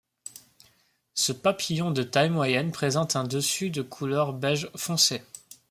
Ce papillon de taille moyenne présente un dessus de couleur beige foncé.